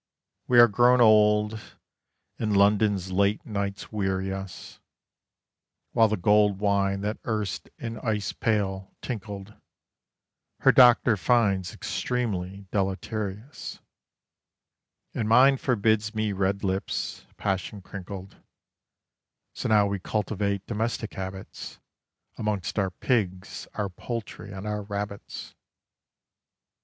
We are grown old, and London's late nights weary us: While the gold wine that erst in ice pail tinkled, Her doctor finds extremely deleterious; And mine forbids me red lips, passion crinkled: So now we cultivate domestic habits Amongst our pigs, our poultry, and our rabbits.